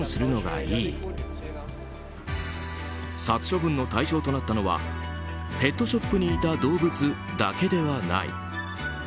殺処分の対象となったのはペットショップにいた動物だけではない。